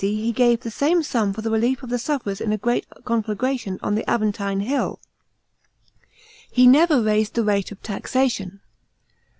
he gave the same sum for the relief of the sufferers in a great conflagration on the Aventine Hill. He never raised the rate of taxation.